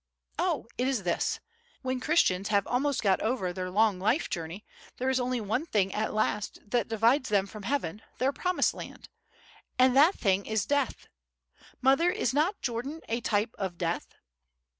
Oh, it is this! When Christians have almost got over their long life journey, there is only one thing at last that divides them from heaven, their Promised Land; and that thing is death. Mother, is not Jordan a type of death?"